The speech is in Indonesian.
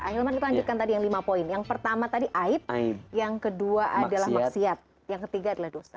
ahilman kita lanjutkan tadi yang lima poin yang pertama tadi aib yang kedua adalah maksiat yang ketiga adalah dosa